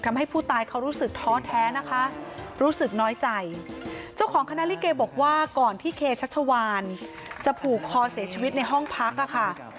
จะผู่คอเสียชีวิตในห้องพักนะคะ